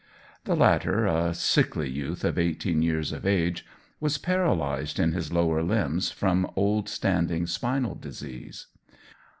The latter, a sickly youth of eighteen years of age, was paralysed in his lower limbs from old standing spinal disease.